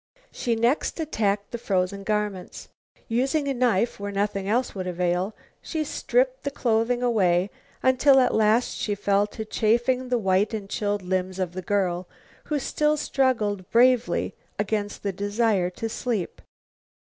She next attacked the frozen garments. Using a knife where nothing else would avail, she stripped the clothing away until at last she fell to chafing the white and chilled limbs of the girl, who still struggled bravely against the desire to sleep.